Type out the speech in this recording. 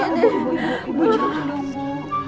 ibu ibu ibu jangan dong bu